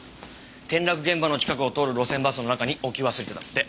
転落現場の近くを通る路線バスの中に置き忘れてたって。